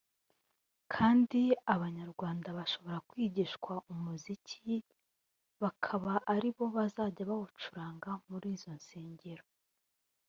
kandi abanyarwanda bashobora kwigishwa umuziki bakaba ari bo bazajya bacuranga muri izo nsengero